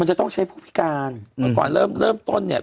จะต้องใช้ผู้พิการเมื่อก่อนเริ่มเริ่มต้นเนี่ย